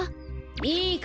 いいか？